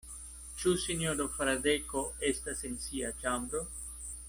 Ĉu sinjoro Fradeko estas en sia ĉambro?